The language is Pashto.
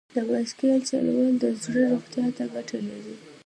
د بایسکل چلول د زړه روغتیا ته ګټه لري.